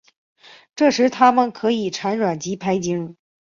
这时它们可以产卵及排精。